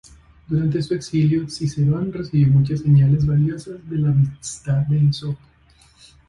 Durante su exilio, Cicerón recibió muchas señales valiosas de la amistad de Esopo.